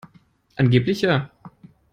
Angeblich ja.